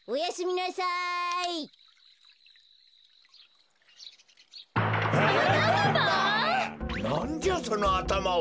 なんじゃそのあたまは！？